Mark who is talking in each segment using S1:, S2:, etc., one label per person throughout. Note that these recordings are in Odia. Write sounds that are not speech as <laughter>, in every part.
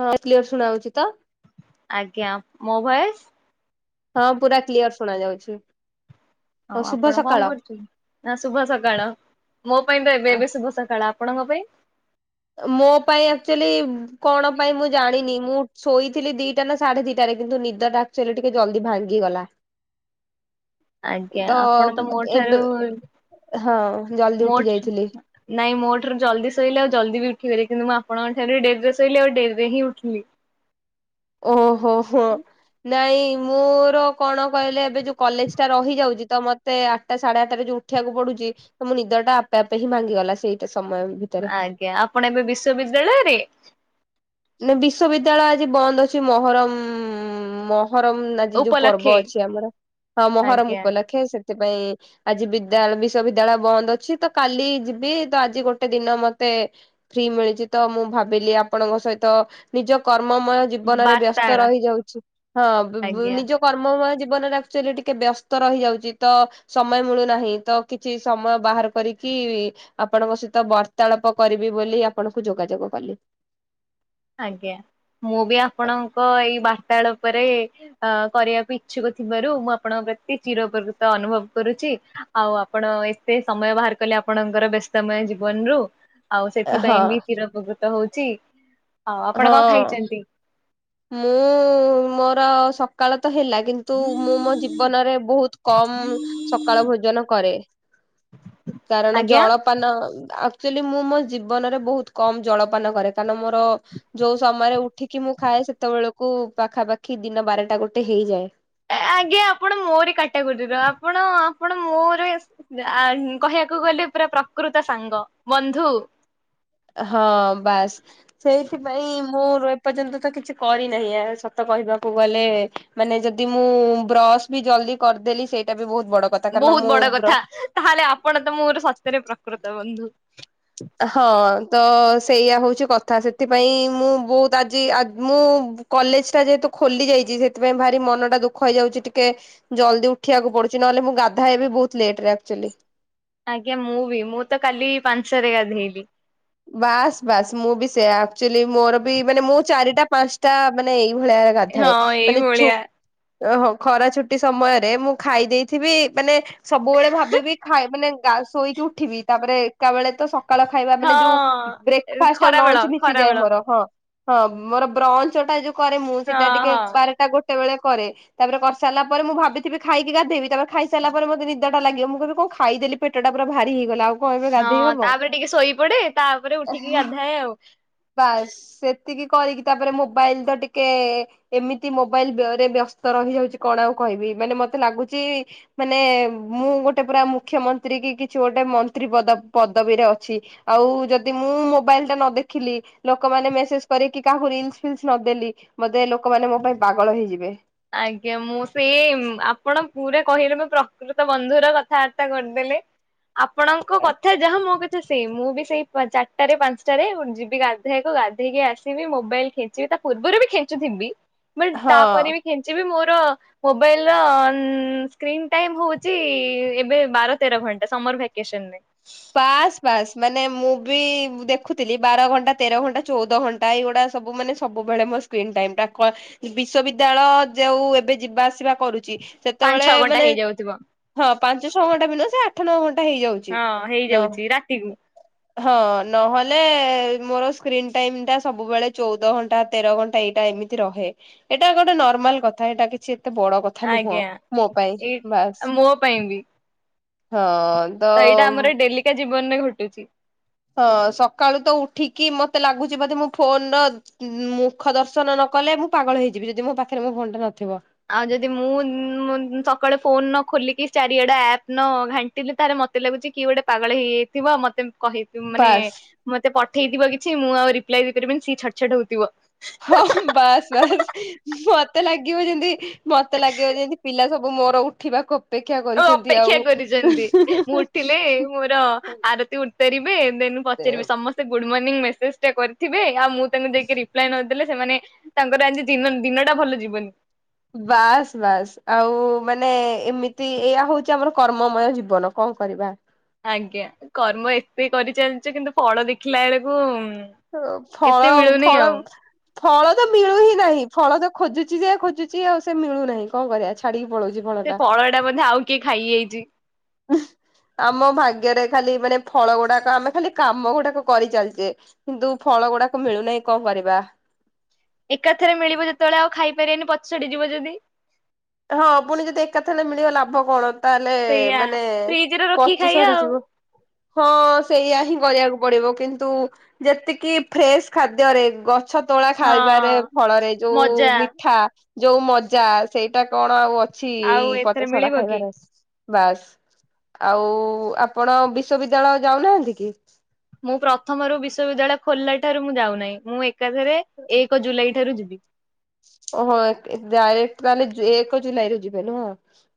S1: ହଁ କ୍ଲିୟର ଶୁଣା ହଉଚି ତ।
S2: ଆଜ୍ଞା, ମୋ ଭୟସ?
S1: ହଁ ପୁରା କ୍ଲିୟର ଶୁଣା ଯାଉଛି। ହଁ
S2: ଆଉ
S1: ଶୁଭ
S2: ଆପଣ କଣ
S1: ସକାଳ।
S2: କରୁଛନ୍ତି? ନା ଶୁଭ ସକାଳ। ମୋ ପାଇଁ ତ ଏବେ ଏବେ ଶୁଭ ସକାଳ ଆପଣଙ୍କ ପାଇଁ?
S1: ମୋ ପାଇଁ ଆଚୁଆଲି, କଣ ପାଇଁ ମୁଁ ଜାଣିନି ମୁଁ ଶୋଇଥିଲି ଦିଟା ନା ସାଢେ ଦିଟାରେ, କିନ୍ତୁ ନିଦ ଟା ଆକଚୁଆଲି ଟିକେ ଜଲ୍ଦି ଭାଙ୍ଗିଗଲା।
S2: ଆଜ୍ଞା
S1: ତ
S2: ଆପଣ ମୋ ଠାରୁ
S1: ଏବେ, ହଁ ଜଲଦି
S2: ମୋ
S1: ଉଠି ଯାଇଥିଲି
S2: ନାଇଁ ମୋ ଠାରୁ ଜଲଦି ସୋଇଲି ଆଉ ଜଲଦ ବି ଉଠିଗଲି, କିନ୍ତୁ ମୁଁ ଆପଣଙ୍କ ଠୁ ଡେରିରେ ସୋଇଲି, ଆଉ ଡେରିରେ ହିଁ ଉଠିଲି।
S1: ଓହୋ ହୋ, ନାଇଁ ମୋର, କଣ କହିଲେ ଏବେ ଯ କଲେଜ ଟା ରହିଯାଉଛି ତ ମତେ ମତେ ଆଟା, ସାଢେ ଆଠଟା, ଯୋଉ ଉଠିବାକୁ ପଡୁଛି, ତ ମୋ ନିଦ ଟା ଆପେ ଆପେ ହିଁ ଭଙ୍ଗିଗଲା, ସେଇଟା ସମୟ ଭିତରେ।
S2: ଆଜ୍ଞା, ଆପଣ ଏବେ ବିଶ୍ବବିଦ୍ୟାଳୟ ରେ?
S1: ନା ବିଶ୍ୱବିଦ୍ୟାଳୟ ଆଜି ବନ୍ଦ ଅଛି, ମହରମ ମହରମ, ଆଜି ଯୋଉ ପର୍ବ
S2: ଉପଲକ୍ଷେ
S1: ଅଛି ଆମର। ହଁ ମହରମ
S2: ଆଜ୍ଞା
S1: ଉପଲକ୍ଷେ ସେଥିପାଇଁ ଆଜି ବିଦ୍ୟାଳୟ ବିଶ୍ଵବିଦ୍ୟାଳୟ ବନ୍ଦ ଅଛି, ତ କାଲି ଯିବି, ତ ଆଜି ଗୋଟେ ଦିନ ମତେ ଫ୍ରି ମିଳିଛି ତ, ମୁଁ ଭାବିଲି ଆପଣଙ୍କ ସହିତ ତ ନିଜ କର୍ମମୟ ଜୀବନରେ, ବ୍ୟସ୍ତ
S2: ବାର୍ତ୍ତାଳ
S1: ରହିଯାଉଛି। ହଁ
S2: ଆଜ୍ଞା
S1: ନିଜ କର୍ମୟ ଜୀବନରେ, ଆକ୍ଚୁଆଲି ଟିକେ ବ୍ୟସ୍ତ ରହିଯାଉଛି, ତ ସମୟ ମିଳୁନାହିଁ, ତ କିଛି ସମୟ ବାହାର କରିକି ଆପଣଙ୍କ ସହିତ ବାର୍ତାଳାପ କରିବି ବୋଲି, ଆପଣଙ୍କୁ ଯୋଗାଯୋଗ କଲି।
S2: ଆଜ୍ଞା, ମୁଁ ବି ଆପଣଙ୍କ ଏଇ ବାର୍ତ୍ତାଳପରେ ଅ କରିବାକୁ ଇଚ୍ଛୁକ ଥିବାରୁ, ମୁଁ ଆପଣଙ୍କ ପ୍ରତି ଚିର ଉପକୃତ ଅନୁଭବ କରୁଛି। ଆଉ ଆପଣ ଏତେ ସମୟ ବାହାର କଲେ ଆପଣଙ୍କର, ବ୍ୟସ୍ତମୟ ଜୀବନରୁୁ ଆଉ
S1: ହଁ
S2: ସେଥିପାଇଁ ବି ଚିର ଉପକୃତ ହଉଛି। ଆଉ ଆପଣ କଣ
S1: ହଁ।
S2: ଖାଇଛନ୍ତି?
S1: ମୁଁ ମୋର ସକାଳ ତ ହେଲା କିନ୍ତୁ ମୁଁ ମୋ ଜୀବନରେ ବହୁତ କମ, ସକାଳ ଭୋଜନ କରେ। କାରଣ
S2: ଆଜ୍ଞା
S1: ଜଳ ନ ଆକଚୁଆଲି, ମୁଁ ମୋ ଜୀବନରେ ବହୁତ କମ ଜଳପାନ କରେ, କାରଣ ମୋର ଯୋଉ ସମୟରେ ଉଠିକି ମୁଁ ଖାଏ, ସେତେବେଳକୁ ପାଖାପାଖି, ଦିନ ବାରଟା, ଗୋଟେ ହେଇଯାଏ।
S2: ଆଜ୍ଞା ଆପଣ ମୋରି କାଟାଗୋରିର, ଆପଣ, ଆପଣ ମୋର କହିବାକୁ ଗଲେ, ପୁରା ପ୍ରକୃତ ସାଙ୍ଗ, ବନ୍ଧୁ।
S1: ହଁ ବାସ୍। ସେଇଥିପାଇଁ ମୁଁ ଏପର୍ଯ୍ୟନ୍ତ ତ କିଛି କରିନାହିଁ ଆ, ସତ କହିବାକୁ ଗଲେ। ମାନେ ଯଦି ମୁଁ ବ୍ରସ ବି ଜଲଦି କରିଦେଲି, ସେଇଟା ବି ବହୁତ ବଡ କଥା। କାରଣ
S2: ବହୁତ
S1: ମୁଁ
S2: ବଡ
S1: ବ୍ର
S2: କଥା, ତାହେଲେ ଆପଣ ତ ମୋର ସତ୍ୟରେ ପ୍ରକୃତ ବନ୍ଧୁ।
S1: ହଁ ତ ସେଇୟା ହଉଛି କଥା। ସେଥିପାଇଁ ମୁଁ ବହୁତ ଆଜି ମୁଁ କଲେଜ ଟା ଯେହେତୁ ଖୋଲି ଯାଇଛି, ସେଥିପାଇଁ ଭାରି ମନ ଟା ଦୁଃଖ ହେଇଯାଉଛି ଟିକେ। ଜଲ୍ଦି ଉଠିବାକୁ ପଡୁଛି, ନହେଲେ ମୁଁ ଗାଧାଏ ବି ବହୁତ ଲେଟରେ ଆକଚୁଆଲି।
S2: ଆଜ୍ଞା ମୁଁ ବି, ମୁଁ ତ କାଲି ପାଞ୍ଚଟା ରେ ଗାଧେଇଲି।
S1: ବାସ୍ ବାସ୍ ମୁଁ ବି ସେୟା, ଆକ୍ଚୁଆଲି ମୋର ବି ମାନେ ମୁଁ ଚାରିଟା, ପାଞ୍ଚଟା ମାନେ ଏଇଭଳିଆ ଗାଧାଏ
S2: ହଁ
S1: ମାନେ ଛୁ
S2: ଏଇଭଳିଆ।
S1: ଓହୋ ଖରା ଛୁଟି ସମୟରେ, ମୁଁ ଖାଇ ଦେଇେଥିବି, ମାନେ ସବୁବେଳେ ଭାବିବି ଖାଇ ମାନେ ଶୋଇକି ଉଠିବି ତାପରେ ଏକା ବଳେ ତ ସକାଳ ଖାଇବା ମାନେ ଯୋଉ
S2: ହଁ
S1: ବ୍ରେକ୍ଫାଷ୍ଟ ଆଉ
S2: ଖରାବେଳ
S1: ଲଞ୍ଚ ମିଶିଯାଏ
S2: ଖରାବେଳ।
S1: ମୋର ହଁ ହଁ ମୋର ବ୍ରଞ୍ଚ ଟା ଯୋଉ କରେ ମୁଁ,
S2: ହଁ
S1: ସେଇଟା ଟିକେ
S2: ହଁ।
S1: ବାରଟା ଗୋଟେ ବେଳେ କରେ। ତାପରେ କରସାରିଲା ପରେ ମୁଁ ଭାବିଥିବି ଖାଇକି ଗାଧେଇବି ତାପରେ ଖାଇସାଇଲା ପରେ ମତେ ନିଦ ଟା ଲାଗିବ ମୁଁ କହିବି କଣ ଖାଇଦେଲି ପେଟ ଟା ପୁରା ଭାରି ହେଇଗଲା ଆଉ। କଣ ଏବେ
S2: ହଁ
S1: ଗାଧେଇ
S2: ହଁ
S1: ହବ।
S2: ତାପରେ ଟିକେ ଶୋଇପଡେ ତାପରେ ଉଠିକି ଗାଧାଏ ଆଉ।
S1: ବାସ୍ ସେତିକି କରିକି ତାପରେ ମୋବାଇଲ ତ ଟିକେ ଏମିତି ମୋବାଇଲ ବ୍ୟ ରେ ବ୍ୟସ୍ତ ରହିଯାଉଛି କଣ ଆଉ କହିବି ମାନେ ମତେ ଲାଗୁଚି ମାନେ ମୁଁ ଗୋଟେ ପୁରା ମୁଖ୍ୟମନ୍ତ୍ରୀ କି କିଛି ଗୋଟେ ମନ୍ତ୍ରୀ ପଦ ପଦବୀରେ ଅଛି। ଆଉ ଯଦି ମୁଁ ମୋବାଇଲ ଟା ନ ଦେଖିଲି। ଲୋକମାନେ ମେସେଜ କରି କି କାହାକୁ ରିଲସ ଫିଲସ ନ ଦେଲି ବଦେ ଲୋକମାନେ ମୋ ପାଇଁ ପାଗଳ ହେଇଯିବେ।
S2: ଆଜ୍ଞା ମୁଁ ସେଇ ଉଁ ଆପଣ ପୁରା କହିଲେ ମୁଁ ପ୍ର କୃତ ବନ୍ଧୁର କଥାବାର୍ତ୍ତା କରିଦେଲେ ଆପଣଙ୍କ କଥା ଯାହା ମୋ କ ଥା ସେଇ ମୁଁ ବି ସେଇ ପ ଚାରିଟାରେ ପାଞ୍ଚଟାରେ ଯିବି ଗାଧେଇଆକୁ ଗାଧେଇକି ଆସିବି ମୋବାଇଲ ଖେ ଞ୍ଚିବି ତା ପୂର୍ବରୁ ବି ଖେଞ୍ଚୁଥିବି ବଟ୍
S1: ହଁ।
S2: ତାପରେ ବି ଖେଞ୍ଚିବି ମୋର ମୋବାଇଲ ର ଉଁ ସ୍କ୍ରିନ୍ ଟାଇମ ହଉଚି ଏବେ ବାର ତେର ଘଣ୍ଟା ସମର ଭାକେସନରେ।
S1: ବାସ୍ ବାସ୍ ମାନେ ମୁଁ ବି ଦେଖୁଥିଲି ବାର ଘଣ୍ଟା ତେର ଘଣ୍ଟା ଚଉଦ ଘ ଣ୍ଟା ଏ ଗୁଡା ସବୁ ମାନେ ସବୁବେଳେ ମୋ ସ୍କ୍ରିନ୍ ଟାଇମ ଟା କ ବିଶ୍ଵ ବିଦ୍ୟାଳୟ ଯେଉ ଏବେ ଯିବା ଆସିବା କରୁଚି
S2: ପାଞ୍ଚ
S1: ସେତବେଳେ
S2: ଛଅ ଘଣ୍ଟା
S1: ମାନେ
S2: ହେଇଯାଉଥିବ
S1: ହଁ ପାଞ୍ଚ ଛଅ ଘଣ୍ଟା ବି ନୁହେଁ ସେ ଆଠ ନଅ ଘଣ୍ଟା ହେଇଯାଉ
S2: ହଁ।
S1: ଲ ହଁ।
S2: ହେଇଯାଉଛି ରାତିକୁ
S1: ହଁ ନହେଲେ ମୋର ସ୍କ୍ରିନ୍ ଟାଇମ ଟା ସବୁବେଳେ ଚଉଦ ଘଣ୍ଟା ତେର ଘଣ୍ଟା ଏଇଟା ଏମି ତି ରହେ ଏଇଟା ଗୋଟେ ନର୍ମାଲ କଥା ଏଇଟା କିଛି ଏତେ ବଡ କ ଥା ନୁହଁ
S2: ଆଜ୍ଞା
S1: ମୋ ପାଇଁ
S2: ଏଇ
S1: ବାସ୍
S2: ମୋ ପାଇଁ ବି
S1: ହଁ।
S2: ତ ଏଇଟା ଆମର ଡେଲିକା ଜୀବନରେ ଘଟୁଚି।
S1: ହଁ ସକାଳୁ ତ ଉଠିକି ମତେ ଲାଗୁଚି ବୋଧେ ମୁଁ ଫୋନ ର ଉଁ ମୁଖ ଦର୍ଶନ ନ କଲେ ମୁଁ ପାଗଳ ହେଇଯିବି ଯଦି ମୋ ପାଖରେ ମୋ ଫୋନ୍ ଟା ନଥିବ।
S2: ଆଉ ଯଦି ମୁଁ ଉଁ ସକାଳେ ଫୋନ ନ ଖୋଲିକି ଚାରିଆଡେ ଆପ୍ ନ ଘା ଣ୍ଟିଲେ ତାରେ ମତେ ଲାଗୁଚି କିଏ ଗୋଟେ ପାଗଳ ହେଇଯାଇଥିବ ମତେ କହି ଉଁ ମାନେ
S1: ବାସ୍
S2: ମତେ ପଠେଇଥିବ କିଛି ମୁଁ ଆଉ ରିପ୍ଲାଏ ଦେଇ ପାରିବିନି ସିଏ ଛଟ ଛଟ ହଉଥିବ।
S1: ହଁ ବାସ୍ ବାସ୍ ମତେ ଲାଗିବ ଯେମତି ମତେ ଲାଗିବ ଯେମତି ପିଲା ସ ବୁ ମୋର ଉଠିବାକୁ ଅପେକ୍ଷା କରିଛନ୍ତି
S2: ଅ-ଅପେକ୍ଷା
S1: ଆଉ
S2: କରିଚନ୍ତି ମୁଁ ଉଠିଲେ ମୋର ଆରତି ଉତ୍ତାରିବେ ଦେନ ପଚାରିବେ ସମସ୍ତେ ଗୁଡ ମର୍ଣ୍ଣିଂ ମେସେଜ ଟା କରିଥିବେ ଆଉ ମୁଁ ତାଙ୍କୁ ଯାଇକି ରିପ୍ଲାଏ ନଦେଲେ ସେମାନେ ତାଙ୍କର ଆଜି ଦିନ ଦିନ ଟା ଭଲ ଯିବନି।
S1: ବାସ୍ ବାସ୍ ଆଉ ମାନେ ଏମିତି ଏଇୟା ହଉଚି ଆମର କର୍ମ ମୟ ଜୀବନ କଣ କରିବା।
S2: ଆଜ୍ଞା କର୍ମ ଏତେ କରି ଚାଲିଚେ କିନ୍ତୁ ଫଳ ଦେଖିଲା ବେଳକୁ ଉଁ
S1: ଓ ଫଳ ଫଳ ଫଳ ତ ମିଳୁ ହିଁ ନାହିଁ ଫଳ ତ ଖୋଜୁଚି ଯେ ଖୋଜୁଚି ଆଉ ସେ ମିଳୁ ନାହିଁ କଣ କରିଆ ଛାଡିକି ପଳଉଚି।
S2: ସେ ଫଳଟା ବୋଧେ ଆଉ କିଏ ଖାଇଯାଇଚି।
S1: ଉଁ ଆମ ଭାଗ୍ୟରେ ଖାଲି ମାନେ ଫଳ ଗୁଡାକ ଆମେ ଖାଲି କାମ ଗୁଡାକ କରିଚାଲିଚେ। କିନ୍ତୁ ଫଳ ଗୁଡାକ ମିଳୁ ନାହିଁ କଣ କରିବା।
S2: ଏକାଥରେ ମିଳିବ ଯେତବେଳେ ଆଉ ଖାଇପାରିବେନି ପଚଡି ଯିବ ଯଦି।
S1: ହଁ ପୁଣି ଯଦି ଏକା ଥଲେ ହେଲେ ମିଳିବ ଲାଭ କଣ ତାହେଲେ
S2: ସେଇଆ
S1: ମାନେ
S2: ଫ୍ରିଜ ରେ ରଖିକି
S1: ପଚି
S2: ଖାଇବା
S1: ସଢ଼ି
S2: ଆଉ।
S1: ଯିବ। ହଁ ସେଇୟା ହିଁ କରିଆକୁ ପଡିବ କିନ୍ତୁ ଯେତିକି ଫ୍ରେସ୍ ଖାଦ୍ୟରେ ଗ ଗଛ ତୋଳା ଖାଇବାରେ
S2: ହଁ
S1: ଫଳରେ ଯୋଉ
S2: ମଜା
S1: ମିଠା ଯୋଉ ମଜା ସେଇ ଏଟା କଣ ଆଉ ଅଛି ଏଇ
S2: ଆଉ ଏଥିରେ
S1: ପଚାସଡା
S2: ମିଳିବ କି?
S1: ଖାଇବାରେ। ବାସ୍ ଆଉ ଆପଣ ବିଶ୍ଵବିଦ୍ୟାଳୟ ଯାଉନାହାନ୍ତି କି?
S2: ମୁଁ ପ୍ରଥମରୁ ବିଶ୍ଵବିଦ୍ୟାଳୟ ଖୋଲିଲା ଠାରୁ ମୁଁ ଯାଉନାହିଁ ମୁଁ ଏକାଥରେ ଏକ ଜୁଲାଇ ଠାରୁ ଯିବି।
S1: ଓହୋ ଡାଇରେକ୍ଟ ତାହେଲେ ଏକ ଜୁଲାଇ ରେ ଯିବେ ନୁହଁ।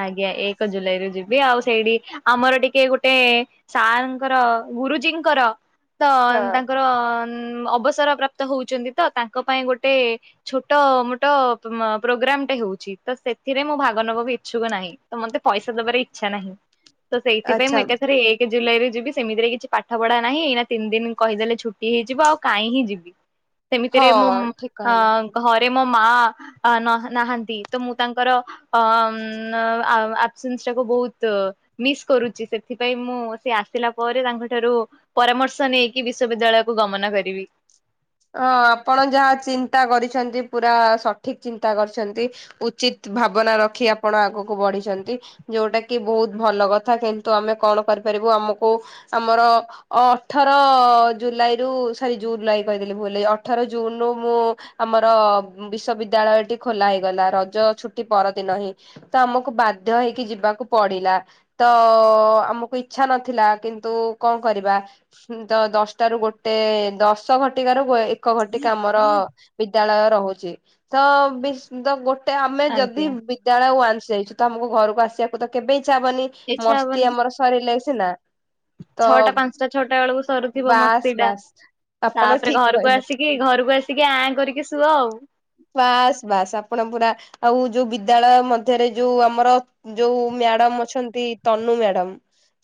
S2: ଆଜ୍ଞା ଏକ ଜୁଲାଇରୁୁ ଯିବି ଆଉ ସେଇଠି ଆମର ଟିକେ ଗୋଟେ ସାର୍ ଙ୍କର ଗୁରୁଜୀଙ୍କର ତ
S1: ହଁ।
S2: ତାଙ୍କର ଉଁ ଅବସର ପ୍ରାପ୍ତ ହଉଛନ୍ତି ତ ତାଙ୍କ ପାଇଁ ଗୋଟେ ଛୋଟ ମୋଟ ପ୍ରୋଗ୍ରାମ ଟେ ହଉଛି ତ ସେଥିରେ ମୁଁ ଭାଗ ନବାକୁ ଇଛୁକ ନାହିଁ ତ ମତେ ପଇସା ଦବାର ଇଚ୍ଛା ନାହିଁ ତ ସେଇଥିପାଇଁ ମୁଁ
S1: ଆଚ୍ଛା
S2: ଏକାଥରେ ଏ ଜୁଲାଇରେ ଯିବି ସେମିତିରେ କିଛି ପାଠ ପଢା ନାହିଁ ଏଇନା ତିନି ଦିନ କହିଦେଲେ ଛୁଟି ହେଇଯିବ କାହିଁ ହିଁ ଯିବି। ସେମିତିରେ
S1: ହଁ
S2: ମୁଁ ମ୍
S1: ଠିକ କହିଲେ।
S2: ଆଁ ଘରେ ମୋ ମାଆ ଆ ନ ନାହାନ୍ତି ତ ମୁଁ ତାଙ୍କର ଅ ଆଁ ନ ଆସେନ୍ସ ଟାକୁ ବହୁତ ମିସ୍ କରୁଛି ସେଥିପାଇଁ ମୁଁ ସେ ଆସିଲା ପରେ ତାଙ୍କଠାରୁ ପରାମର୍ଶ ନେଇକି ବିଶ୍ଵବିଦ୍ୟାଳୟ କୁ ଗମନ କରିବି।
S1: ହଁ ଆପଣ ଯାହା ଚିନ୍ତା କରିଛନ୍ତି ପୁରା ସଠିକ୍ ଚିନ୍ତା କରିଛନ୍ତି। ଉଚିତ ଭାବନା ରଖି ଆପଣ ଆଗକୁ ବଢିଛନ୍ତି। ଯୋଉଟା କି ବହୁତ ଭଲ କଥା କିନ୍ତୁ ଆମେ କଣ କରିପାରିବୁ ଆମକୁ ଆମର ଅଠର ଜୁଲାଇରୁୁ ସରୀ ଜୁଲାଇ କହିଦେଲି ଭୁଲ୍ ରେ ଅଠର ଜୁନ୍ ରୁ ମୁଁ ଆମର ବିଶ୍ବିଦ୍ୟାଳୟଟି ଖୋଲା ହେଇଗଲା ରଜ ଛୁଟି ପରଦିନ ହିଁ। ତ ଆମକୁ ବାଧ୍ୟ ହେଇକି ଯିବାକୁ ପଡିଲା। ତ ଆମକୁ ଇଛା ନଥିଲା କିନ୍ତୁ କଣ କରିବା? ତ ଦଶଟା ର ଗୋଟେ ଦଶ ଦଶ ଘଟିକାର ଏକ ଘଟିକା ଆମର ବିଦ୍ୟାଳୟ ରହୁଛି ତ ବି କି ତ ଗୋଟେ ଆମେ ଯଦି
S2: ଆଜ୍ଞା
S1: ବିଦ୍ୟାଳୟ ୱାନ୍ସ ଯାଇଛୁ ତ ଆମକୁ ଘରକୁ ଆସିବାକୁ ତ କେବେ ଇଚ୍ଛା ହବନି।
S2: ଇଚ୍ଛା
S1: ମସ୍ତି
S2: ହବନି
S1: ଆମର ଶରୀଲେ ସିନା? ତ
S2: ଛଅଟା ପାଞ୍ଚଟା ଛଅଟା ବେଳକୁ ସରୁଥିବ
S1: ବାସ୍
S2: ମସ୍ତି ଟା
S1: ବାସ୍ ଆପଣ
S2: ତାପରେ
S1: ଠିକ
S2: ଘରକୁ
S1: କହିଲେ
S2: ଆସିକି ଘରକୁ ଆସିକି ଆଁ କରିକି ଶୁଅ ଆଉ।
S1: ବାସ୍ ବାସ୍ ଆପଣ ପୁରା ଆଉ ଯୋଉ ବିଦ୍ୟାଳୟ ମଧ୍ୟରେ ଯୋଉ ଆମର ଯୋଉ ମ୍ୟାଡାମ ଅଛନ୍ତି ତନୁ ମ୍ୟାଡାମ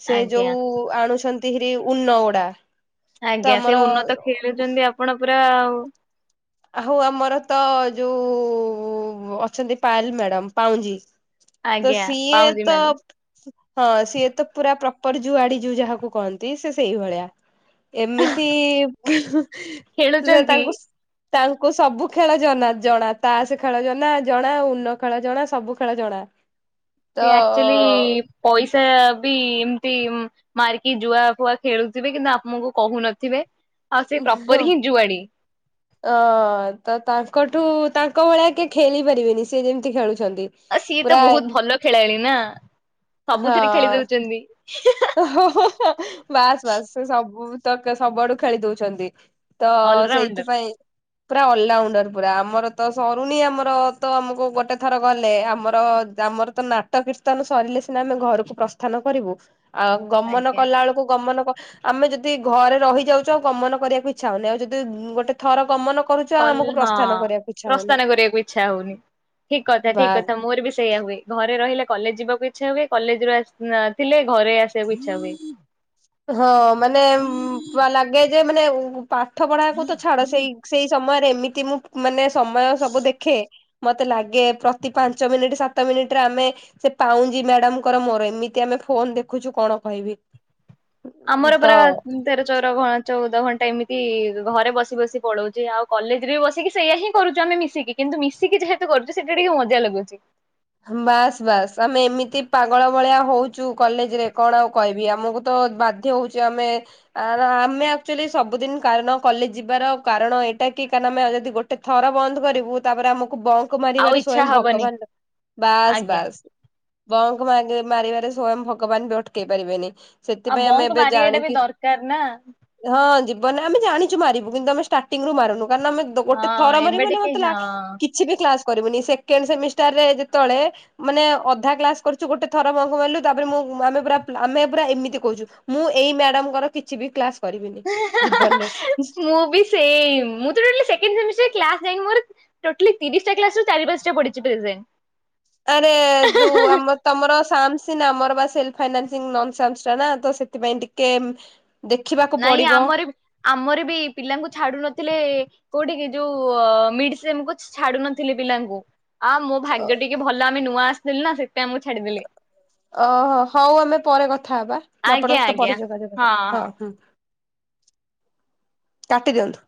S1: ସେ
S2: ଆଜ୍ଞା
S1: ଯୋଉ ଆଣୁଛନ୍ତି ହେରି ଉନ ଓଡା।
S2: ଆଜ୍ଞା, ସେ ଉନ୍ନତ ଖେଳୁଛନ୍ତି ଆପଣ ପୁରା ଆଉ
S1: ଆ ହଉ ଆମର ତ ଯୋଉ ଅଛନ୍ତି ପାଲ ମ୍ୟାଡାମ ପାଉଁଜି। ତ
S2: ଆଜ୍ଞା
S1: ସିଏ
S2: ପାଉଁଜି
S1: ତ
S2: ମ୍ୟାଡାମ
S1: ହଁ ସିଏ ତ ପୁରା ପ୍ରପର ଯୁଉଆଡି ଯୋଉ ଯାହାକୁ କହନ୍ତି ସେ ସେଇଭଳିଆ। ଏମିତି ସେ
S2: ଖେଳୁଛନ୍ତି
S1: ତାଙ୍କୁ ତାଙ୍କୁ ସବୁ ଖେଳ ଜନା ଜଣା ତାସ ଖେଳ ଜନା ଜଣା ଉନ ଖେଳ ଜଣା ସବୁ ଖେଳ ଜଣା। ତ
S2: ସେ ଆକ୍ଚୁଆଲି ପଇସା ବି ଏମିତି ମାରିକି ଜୁଆ ଫୁଆ ଖେଳୁଥିବେ କିନ୍ତୁ ଆପଣଙ୍କୁ କହୁନଥିବେ ଆଉ ସେ ପ୍ରପର ହିଁ ଜୁଆଡି।
S1: ଅ ତ ତାଙ୍କଠୁ ତାଙ୍କ ଭଳିଆ କି ଖେଳି ପାରିବେନି ସେ ଯେମିତି ଖେଳୁଛନ୍ତି।
S2: ଆ ସିଏ ତ
S1: ପୁରା
S2: ବହୁତ ଭଲ ଖେଳାଳି ନା ସବୁଥିରେ ଖେଳି ଦଉଛନ୍ତି।
S1: ଓୋ ବାସ୍ ବାସ୍ ସେ ସବୁ ତ ସବୁଆଡୁ ଖେଳି ଦଉଛନ୍ତି। ତ
S2: ଅଲରାଉଣ୍ଡର
S1: ସେଇଥିପାଇଁ ପୁରା ଅଲଆଉଣ୍ଡର ପୁରା ଆମର ତ ସରୁନି ଆମର ତ ଆମକୁ ଗୋଟେ ଥର ଗଲେ ଆମର ଆମର ତ ନାଟକୀର୍ତ୍ତନ ସରିଲେ ସିନା ଆମେ ଘରକୁ ପ୍ରସ୍ଥାନ କରିବୁ। ଆଉ ଗମନ
S2: ଆଜ୍ଞା
S1: କଲା ଳକୁ ଗମନ ଆମେ ଯଦି ଘରେ ରହି ଯାଉଛୁ ଆଉ ଗମନ କରିବାକୁ ଇଛା ହନି ଆଉ ଯଦି ଗୋଟେ ଥର ଗମନ କରୁଛୁ ଆଉ
S2: କଲ
S1: ଆମକୁ
S2: ହଁ
S1: ପ୍ରସ୍ଥାନ କରିବାକୁ ଇଚ୍ଛା ହଉନି
S2: ପ୍ରସ୍ଥାନ କରିବାକୁ ଇଚ୍ଛା ହଉନି ଠିକ କଥା ଠିକ
S1: ବାସ୍
S2: କଥା ମୋର ବି ସେଇଆ ହୁଏ। ଘରେ ରହିଲେ କଲେଜ ଯିବାକୁ ଇଚ୍ଛା ହୁଏ କଲେଜରୁ ଥିଲେ ଘରେ ଆସିବାକୁ ଇଚ୍ଛା ହୁଏ।
S1: ହଁ ମାନେ ଲାଗେ ଯେ ମାନେ ପାଠ ପଢାକୁ ତ ଛାଡ ସେଇ ସେଇ ସମୟରେ ଏମିତି ମୁଁ ମାନେ ସମୟ ସବୁ ଦେଖେ। ମତେ ଲାଗେ ପ୍ରତି ପାଞ୍ଚ ମିନିଟ୍ ସାତ ମିନିଟରେ ଆମେ ସେ ପାଉଁଜି ମ୍ୟାଡାମଙ୍କର ମୋର ଏମିତି ଆମେ ଫୋନ ଦେଖୁଛୁ କଣ କହିବି।
S2: ଆମର
S1: ତ
S2: ପରା ତେର ଚଉର ଚଉଦ ଘଣ୍ଟା ଏମିତି ଘରେ ବସି ବସି ପଳଉଛି ଆଉ କଲେଜରେ ବସିକି ସେଇଆ ହିଁ କରୁଛୁ ଆମେ ମୀ କିନ୍ତୁ ମିଶିକି ଯେହେତୁ କରଚୁ ସେଟା ଟିକେ ମଜା ଲାଗୁଛି।
S1: ବାସ୍ ବାସ୍ ଆମେ ଏମିତି ପାଗଳ ଭଳିଆ ହଉଛୁ କଲେଜ ରେ କଣ ଆଉ କହିବି ଆମକୁ ତ ବା ଧ୍ୟ ହଉଚି ଆମେ ଆ ଆମେ ଆକ୍ଚୁଆଲି ସବୁଦିନ କାରଣ କଲେଜ ଯିବାର କାରଣ ଏଇଟା କି କାରଣ ଆମେ ଯଦି ଗୋଟେ ଗଟେ ଥର ବନ୍ଦ କରିବୁ ତାପରେ ଆମକୁ ବଙ୍କ
S2: ଆଉ
S1: ମାରିବାରେ
S2: ଇଚ୍ଛା
S1: ସ୍ଵୟଂ
S2: ହବନି
S1: ଭଗବାନ ବାସ୍
S2: ଆଜ୍ଞା
S1: ବାସ୍ ବଙ୍କ ମାରିବାରେ ସ୍ଵୟଂ ଭଗବାନ ବି ଅଟକେଇ ପାରିବେନି।
S2: ଆଉ
S1: ସେଥିପାଇଁ ଆମେ
S2: ବଙ୍କ
S1: ଏବେ
S2: ମାରିବାଟା ବି
S1: ଜାଣିକି
S2: ଦରକାର ନା
S1: ହଁ ଜିବନା ଆମେ ଜାଣିଛୁ ମାରିବୁ କିନ୍ତୁ ଆମେ ଷ୍ଟାର୍ଟିଂରୁୁ ମାରୁନୁ କାରଣ ଆମେ ଗୋଟେ
S2: ହଁ
S1: ଥର ମରେ
S2: ଏବେ
S1: ମାନେ
S2: ଟିକେ
S1: ମତେଲା
S2: ହଁ
S1: କିଛି ବି କ୍ଲାସ କରିବୁନି ସେେଣ୍ଡ ସେମିଷ୍ଟାରରେ ଯେତଳେ ମାନେ ଅଧା କ୍ଲାସ କରୁଛୁ ଗୋଟେ ଥର ବଙ୍କ ମାରିଲୁ ତାପରେ ମୁଁ ଆମେ ପୁରା ଆମେ ପୁରା ଏମିତି କହୁଛୁ। ମୁଁ ଏଇ ମ୍ୟାଡାମଙ୍କର କିଛି ବି କ୍ଲାସ କରିବିନି ଜୀବନରେ।
S2: ସେମ୍ ମୁଁ ତ ଟୋଟାଲି ସେକେଣ୍ଡ ସେମିଷ୍ଟର କ୍ଲାସ୍ ଯାଇନି ମୋର ଟୋଟାଲି ତିରିଶଟା କ୍ଲାସ ରୁ ଚାରି ପାଞ୍ଚା ପଡିଛି ପ୍ରେଜେଣ୍ଟ।
S1: ଆରେ ଦୁ ଆମର ତମର ସାମସିନ୍ ଆମର ବା ସେଲ୍ ଫାଇନା ସିନ୍ ନନ୍ <unintelligible> ସେଥିପାଇଁ ଟିକେ ଦେଖିବା
S2: ନାଇଁ ଆମର ଆମର ବି ପିଲାଙ୍କୁ ଛାଡୁ ନଥିଲେ କୋଉଠି କି ଯୋଉ ମିଡିସିମ କୁ ଛାଡୁନଥିଲେ ପିଲାଙ୍କୁ। ଆ ମୋ ଭାଗ୍ୟ ଟିକେ ଭଲ ଆମେ ନୂଆ ଆସିଥିଲି ନା ସେଥିପାଇଁ ଆମୁକୁ ଛାଡିଦେଲେ।
S1: ଓହୋ ହଉ ଆମେ ପରେ କଥା ହବା ମୁଁ ଆପଣଙ୍କ ସହିତ ପରେ ଯୋଗାଯୋଗ ହଁ ହଁ। କାଟି ଦିଅନ୍ତୁ।